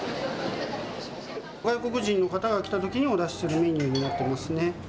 外国人の方が来たときにお出しするメニューになっています。